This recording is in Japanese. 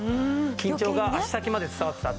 緊張が足先まで伝わってたっていう。